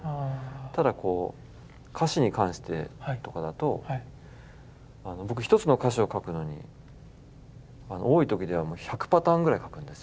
ただこう歌詞に関してとかだと僕１つの歌詞を書くのに多い時では１００パターンぐらい書くんです。